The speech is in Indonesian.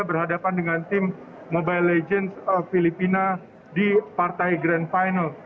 berhadapan dengan tim mobile legends filipina di papua